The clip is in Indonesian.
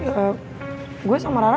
ya gue sama rara